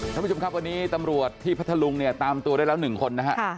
ท่านผู้ชมครับวันนี้ตำรวจที่พัทธลุงเนี่ยตามตัวได้แล้ว๑คนนะฮะ